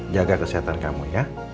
jaga kesehatan kamu ya